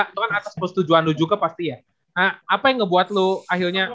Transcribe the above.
itu kan atas persetujuan lu juga pasti ya apa yang ngebuat lo akhirnya